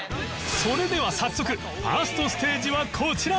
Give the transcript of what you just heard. それでは早速 １ｓｔ ステージはこちら